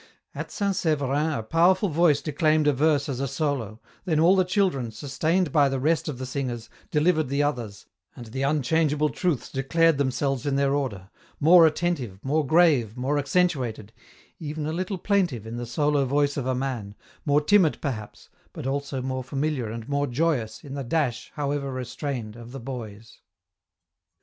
At St. Severin a powerful voice declaimed a verse as a solo, then all the children, sustained by the rest of the singers, delivered the others, and the unchangeable truths declared themselves in their order, more attentive, more grave, more accentuated, even a little plaintive in the solo voice of a man, more timid perhaps, but also more familiar and more joyous, in the dash, however restrained, of the boys.